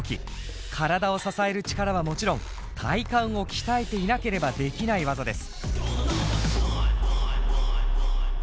体を支える力はもちろん体幹を鍛えていなければできない技です。